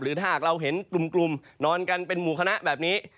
ถ้าหากเราเห็นกลุ่มนอนกันเป็นหมู่คณะแบบนี้